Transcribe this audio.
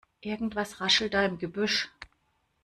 Irgendetwas raschelt da im Gebüsch.